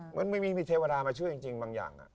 มันมีเทวดามาช่วยจริงบางอย่าง